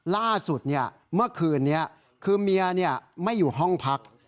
ล่าสุดเมื่อคืนนี้คือเมียไม่อยู่ห้องพัก